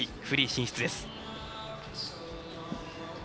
フリー進出です。